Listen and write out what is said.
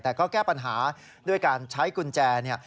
แต่ก็แก้ปัญหาด้วยการใช้กุญแจเนี่ย